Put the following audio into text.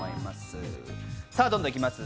どんどん行きます。